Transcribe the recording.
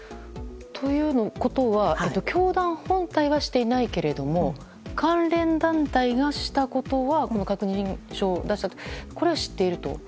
ということは教団本体はしていないけれども関連団体が確認書を出したことはこれは知っていると。